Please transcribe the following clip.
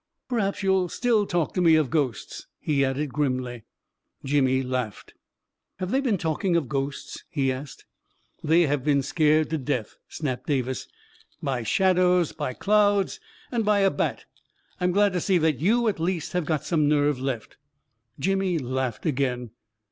" Perhaps you'll still talk to me of ghosts! " he added grimly. Jimmy laughed. "Have they been talking of ghosts?" he asked, " They have been scared to death !" snapped Davis. " By shadows — by clouds — and by a bat! I'm glad to see that you, at least, have got some nerve leftl " Jimmy laughed again.